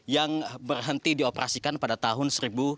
yang berhenti dioperasikan pada tahun seribu sembilan ratus sembilan puluh